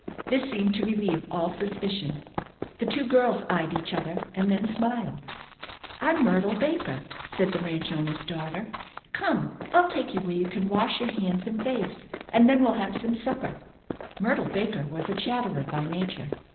This seemed to relieve all suspicion. The two girls eyed each other, and then smiled. "I'm Myrtle Baker," said the ranch owner's daughter. "Come; I'll take you where you can wash your hands and face, and then we'll have some supper." Myrtle Baker was a chatterer by nature.